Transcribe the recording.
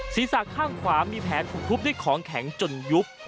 ศีรษะข้างขวามีแผลถูกทุบด้วยของแข็งจนยุบ